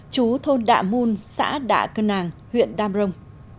chú thôn đạ mùn xã đạ cơ nàng huyện đam rông